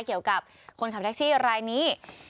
เกี่ยวกับคนขับแท็กซี่รายนี้